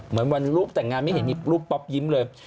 เหมือนวันรูปแต่งงานไม่เห็นมีรูปป๊อปยิ้มเลย